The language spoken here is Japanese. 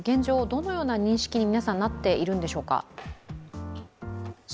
どのような認識に皆さんなっているんでしょうか。